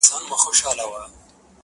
چي یې پاڼي کړو پرواز لره وزري,